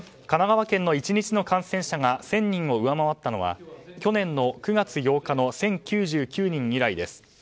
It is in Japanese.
神奈川県の１日の感染者が１０００人を上回ったのは去年の９月８日の１０９９人以来です。